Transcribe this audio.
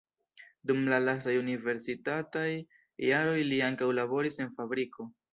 Dum la lastaj universitataj jaroj li ankaŭ laboris en fabriko.